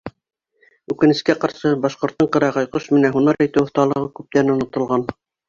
Үкенескә ҡаршы, башҡорттоң ҡырағай ҡош менән һунар итеү оҫталығы күптән онотолған.